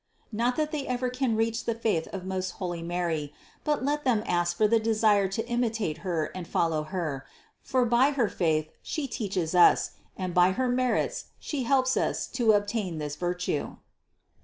Not that they ever can reach the faith of most holy Mary, but let them ask for the desire to imitate Her and follow Her, for by her faith She teaches us, and by her merits She helps us to obtain this virtue.